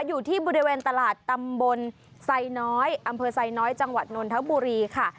อยู่ที่บริเวณตลาดตำบลไซน้อยอำเภอไซน้อยจังหวัดนนทบุรีค่ะ